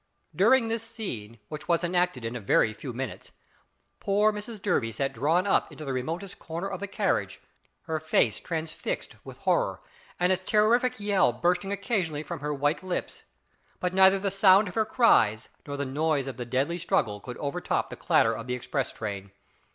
During this scene, which was enacted in a very few minutes, poor Mrs Durby sat drawn up into the remotest corner of the carriage, her face transfixed with horror, and a terrific yell bursting occasionally from her white lips. But neither the sound of her cries nor the noise of the deadly struggle could overtop the clatter of the express train.